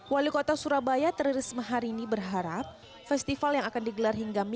wali kota surabaya teriris sehari ini berharap festival yang akan digelar hingga minggu